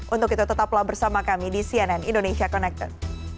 untuk itu tetaplah bersama kami di cnn indonesia connected